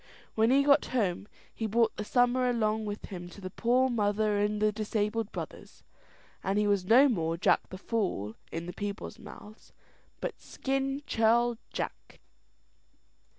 When he got home, he brought the summer along with him to the poor mother and the disabled brothers; and he was no more Jack the Fool in the people's mouths, but "Skin Churl Jack."